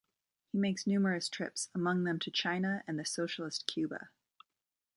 He makes numerous trips, among them to China and the socialist Cuba.